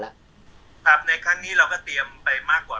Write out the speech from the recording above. ในครั้งนี้เราก็ไปเพิ่มมากกว่า